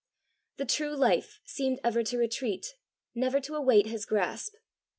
The true life seemed ever to retreat, never to await his grasp.